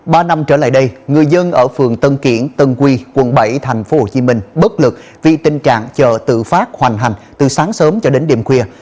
ba năm trở lại đây người dân ở phường tân kiển tân quy quận bảy tp hcm bất lực vì tình trạng chợ tự phát hoành hành từ sáng sớm cho đến đêm khuya